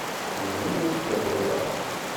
Yiwen ur k-iɛuyer.